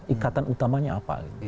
ikatan utamanya apa